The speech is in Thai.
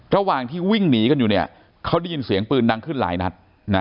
ระหว่างที่วิ่งหนีกันอยู่เนี่ยเขาได้ยินเสียงปืนดังขึ้นหลายนัด